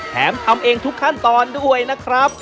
แถมทำเองทุกขั้นตอนด้วยนะครับ